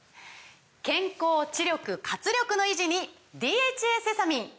健康・知力・活力の維持に「ＤＨＡセサミン」！